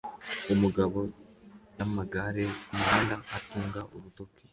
Umugabo yamagare kumuhanda atunga urutoki